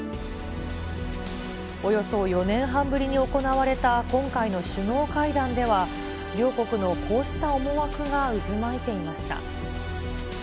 およそ４年半ぶりに行われた今回の首脳会談では、両国のこうした思惑が渦巻いていました。